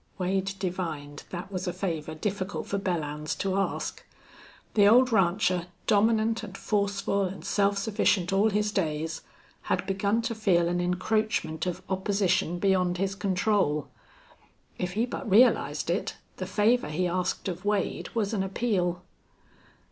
Wade divined that was a favor difficult for Belllounds to ask. The old rancher, dominant and forceful and self sufficient all his days, had begun to feel an encroachment of opposition beyond his control. If he but realized it, the favor he asked of Wade was an appeal.